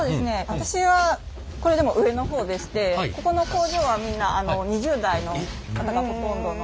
私はこれでも上の方でしてこの工場はみんな２０代の方がほとんどの。